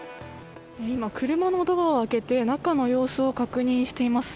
今、車のドアを開けて中の様子を確認しています。